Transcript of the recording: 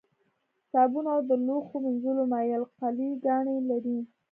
صابون او د لوښو مینځلو مایع القلي ګانې لري.